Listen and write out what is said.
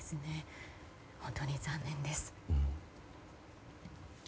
本当に残念です。